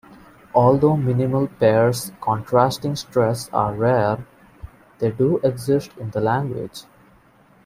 Although minimal pairs contrasting stress are rare, they do exist in the language.